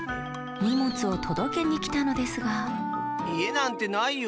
にもつをとどけにきたのですがいえなんてないよ。